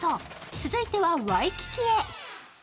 続いてはワイキキへ。